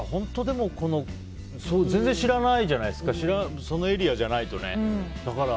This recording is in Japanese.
でも全然知らないじゃないですかそのエリアじゃないとね。